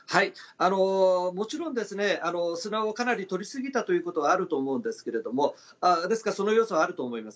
もちろん砂をかなり取りすぎたということはあると思うんですがその要素はあると思います。